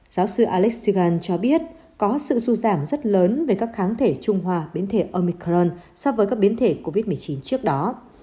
giáo sư alexegan cho biết có sự ru giảm rất lớn về các kháng thể trung hòa biến thể omicron so với các biến thể covid một mươi chín trước đó